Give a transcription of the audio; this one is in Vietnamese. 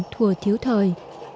thùa thiếu thời